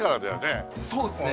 そうですね。